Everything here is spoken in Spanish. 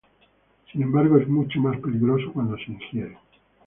Sin embargo, es mucho más peligroso cuando se ingiere.